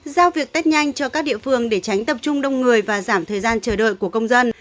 giao việc tết nhanh cho các địa phương để tránh tập trung đông người và giảm thời gian chờ đợi của công dân